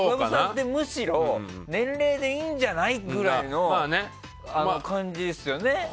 むしろ、年齢でいいんじゃないぐらいの感じですよね。